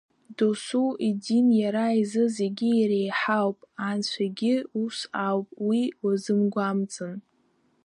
Досу идин иара изы зегьы иреиҳауп, инцәагьы ус ауп, уи уазымгәамҵын…